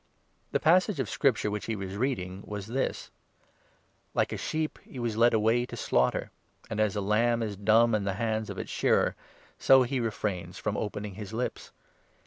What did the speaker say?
The passage of Scripture which he was reading 32 was this —' Like a sheep, he was led away to slaughter, And as a lamb is dumb in the hands of its shearer, So he refrains from opening1 his lips.